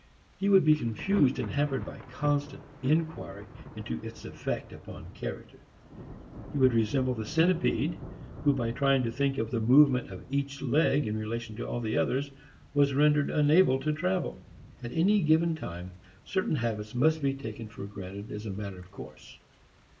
He would be confused and hampered by constant inquiry into its effect upon character. He would resemble the centipede who by trying to think of the movement of each leg in relation to all the others was rendered unable to travel. At any given time, certain habits must be taken for granted as a matter of course.